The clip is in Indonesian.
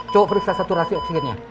coba periksa saturasi oksigennya